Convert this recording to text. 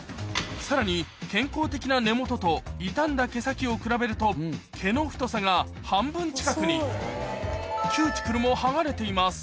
さらに健康的な根本と傷んだ毛先を比べると毛の太さが半分近くにキューティクルも剥がれています